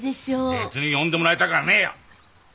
別に呼んでもらいたかねえや！